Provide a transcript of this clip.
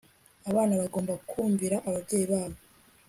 abana bagomba kumvira ababyeyi babo